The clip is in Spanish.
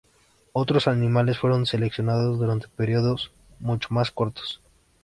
Otros animales fueron selecciones durante periodos mucho más cortos.